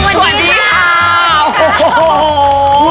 สวัสดีค่ะ